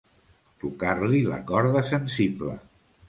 Tocar-li la corda sensible.